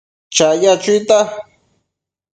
chaya chuitan